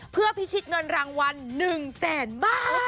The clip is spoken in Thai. เพื่อพิชิตเงินรางวัล๑แสนบาท